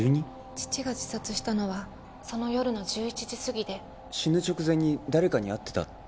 父が自殺したのはその夜の１１時すぎで死ぬ直前に誰かに会ってた？